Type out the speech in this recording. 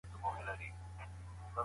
شاعران د غیرت کیسې ولیکلې.